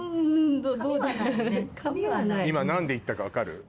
今何で言ったか分かる？